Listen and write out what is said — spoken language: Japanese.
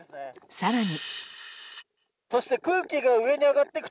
更に。